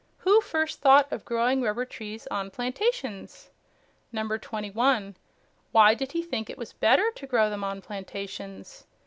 Who first thought of growing rubber trees on plantations? 21. Why did he think it was better to grow them on plantations?